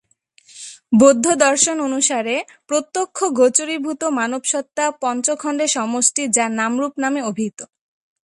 বৌদ্ধদর্শন অনুসারে, প্রত্যক্ষগোচরীভূত মানবসত্তা পঞ্চখন্ডের সমষ্টি যা নাম-রূপ নামে অভিহিত।